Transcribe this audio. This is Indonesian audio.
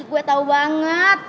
gue tahu banget